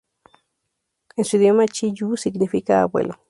En su idioma, "Chi You" significa "abuelo".